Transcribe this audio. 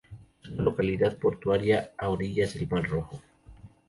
Es una localidad portuaria a orillas del mar Rojo.